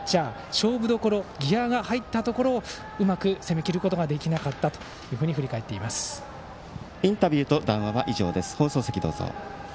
勝負どころギヤが入ったところをうまく攻めきることができなかったとインタビューと談話は以上です。